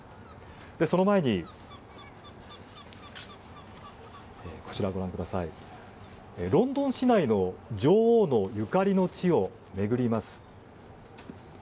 その前に、ロンドン市内の女王のゆかりの地を巡ります。